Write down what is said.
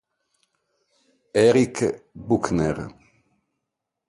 Eric Buckner